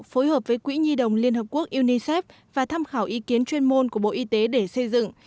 phối hợp với quỹ nhi đồng liên hợp quốc unicef và tham khảo ý kiến chuyên môn của bộ y tế để xây dựng